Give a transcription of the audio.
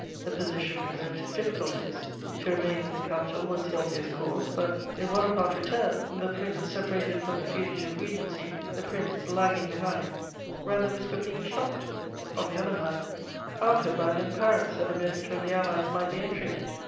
The position presented difficulties: to remain in the capital was the obvious course; but, if Bonaparte returned, the prince, separated from the fugitive Regency, the prince, lagging behind, ran the risk of being shot: on the other hand, how to abandon Paris at the moment when the Allies might be entering it?